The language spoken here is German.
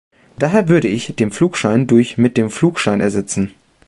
Daher würde ich "dem Flugschein" durch "mit dem Flugschein" ersetzen.